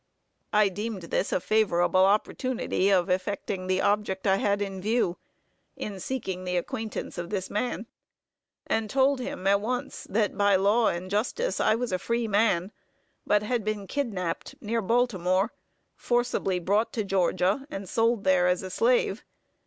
I deemed this a favorable opportunity of effecting the object I had in view, in seeking the acquaintance of this man, and told him at once that by law and justice I was a free man, but had been kidnapped near Baltimore, forcibly brought to Georgia, and sold there as a slave.